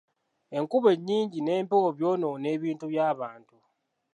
Enkuba enyingi n'empewo byonoona ebintu by'abantu.